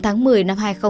tội cướp đoạt tài sản